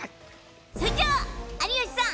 それじゃあ、有吉さん